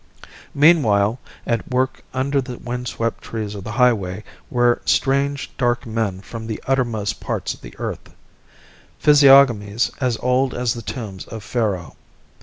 Meanwhile, at work under the windswept trees of the highway, were strange, dark men from the uttermost parts of the earth, physiognomies as old as the tombs of Pharaoh.